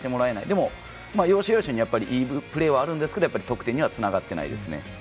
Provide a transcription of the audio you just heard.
でも要所要所にいいプレーはあるんですけど得点にはつながってないですね。